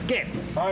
はい。